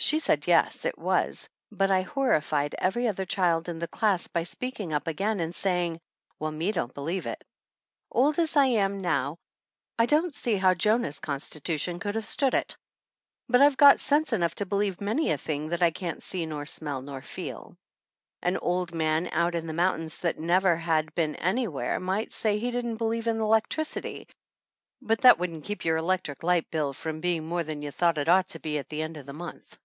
She said yes, it was, but I horrified every other child in the class by speaking up again and saying, "Well, me don't believe it!" Old as I am now, I don't see how Jonah's constitution could have stood it, but I've got sense enough to believe many a thing that I can't see nor smell nor feel. An old man out in the mountains that had never been anywhere might say he didn't believe in electricity, but that wouldn't keep your electric light bill from be ing more than you thought it ought to be at the end of the month.